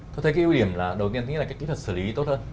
tôi thấy cái ưu điểm đầu tiên là cái kỹ thuật xử lý tốt hơn